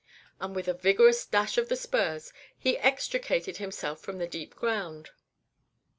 and with a vigorous dash of the spurs he extricated himself from the deep ground.